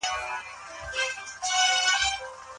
خنډونه د ودې فرصتونه دي.